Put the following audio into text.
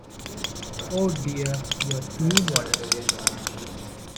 Oh, dear, you are too modest.